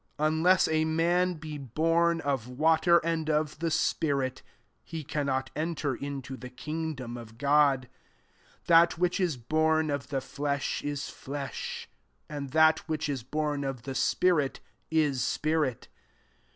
Unless a man be born of water, and qf the spirit, he cannot enter into the kingdom of God/ 6 That which is bom of the flesh, is flesh ; and that which is born of the spirit, is spirit.